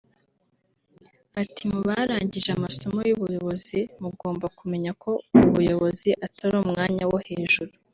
Ati “ Mu barangije amasomo y’ubuyobozi mugomba kumenya ko ubuyobozi atari umwanya wo hejuru